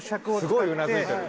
すごいうなずいてる。